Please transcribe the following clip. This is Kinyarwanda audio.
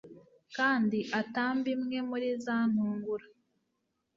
kandi atambe imwe muri za ntungura